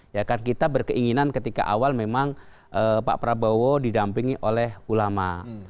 ya kan kita berkeinginan ketika awal memang pak prabowo didampingi oleh ulama